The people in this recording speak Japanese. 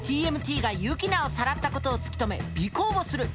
ＴＭＴがユキナをさらったことを突き止め尾行をする。